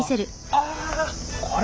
あこれ！